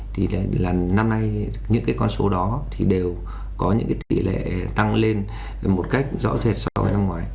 thì là năm nay những cái con số đó thì đều có những cái tỷ lệ tăng lên một cách rõ rệt so với năm ngoái